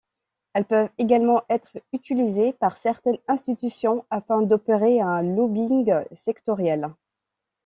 Elles peuvent également être utilisées par certaines institutions afin d'opérer un lobbying sectoriel.